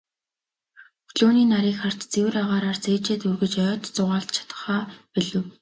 Өглөөний нарыг харж, цэвэр агаараар цээжээ дүүргэж, ойд зугаалж чадахаа болив.